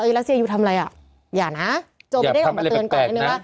เอ๊ยรัสเซียยูทำอะไรอ่ะอย่านะโจมตีได้ออกมาเตือนก่อน